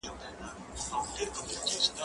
زه باید کار وکړم!!